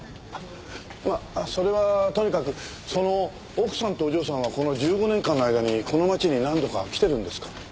まあそれはともかくその奥さんとお嬢さんはこの１５年間の間にこの町に何度か来てるんですか？